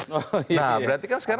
nah berarti kan sekarang